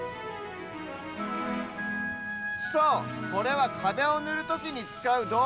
そうこれはかべをぬるときにつかうどうぐ！